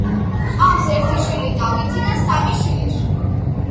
ჰყავს ერთი შვილი, დავითი და სამი შვილიშვილი.